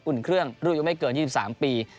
อุ่นเครื่องรูปยุ่งไม่เกิน๒๓ปี